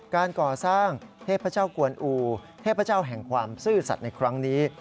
การก่อสร้างเทพเจ้ากวนอูเทพเจ้าแห่งความซื่อสัตว์ในครั้งนี้